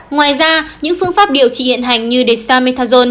ngoài ra những phương pháp điều trị hiện hành như dexamethasone